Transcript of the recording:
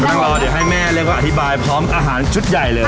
นั่งรอเดี๋ยวให้แม่เรียกว่าอธิบายพร้อมอาหารชุดใหญ่เลย